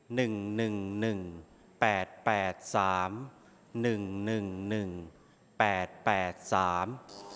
หนึ่งหนึ่งหนึ่งแปดแปดสามหนึ่งหนึ่งหนึ่งแปดแปดสาม